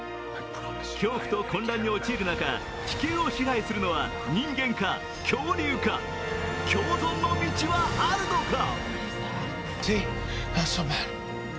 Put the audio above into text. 恐怖と混乱に陥る中地球を支配するのは人間か、恐竜か共存の道はあるのか？